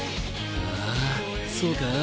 ああそうか。